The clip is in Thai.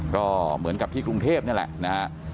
ก็เหมือนกับที่กรุงเทพนี่แหละนะฮะ